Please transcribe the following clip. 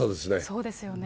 そうですよね。